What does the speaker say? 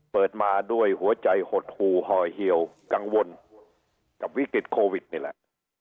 เปิดมาด้วยหัวใจหดหูหอยเหี่ยวกังวลกับวิกฤตโควิดนี่แหละ